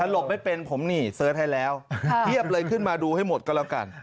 หลบไม่เป็นผมนี่เสิร์ชให้แล้วเทียบเลยขึ้นมาดูให้หมดก็แล้วกัน